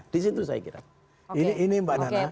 di situ saya kira ini mbak nana